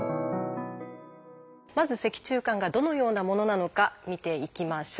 まず脊柱管がどのようなものなのか見ていきましょう。